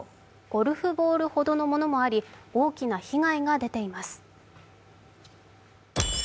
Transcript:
ゴルフボールほどのものもあり、大きな被害が出ています。